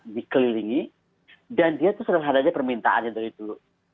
dikelilingi dan dia itu sederhana aja permintaannya dari dulu